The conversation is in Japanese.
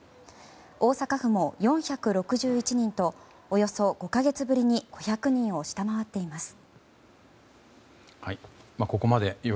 大阪府も４６１人とおよそ５か月ぶりに５００人を下回っています。